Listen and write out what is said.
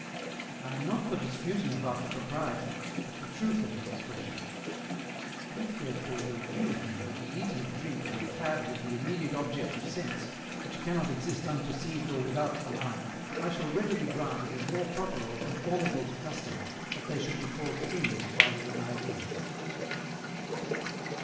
I am not for disputing about the propriety, but the truth of the expression. If therefore you agree with me that we eat and drink and are clad with the immediate objects of sense, which cannot exist unperceived or without the mind, I shall readily grant it is more proper or conformable to custom that they should be called things rather than ideas.